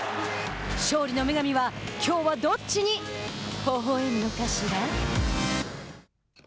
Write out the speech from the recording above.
勝利の女神はきょうはどっちにほほえむのかしら。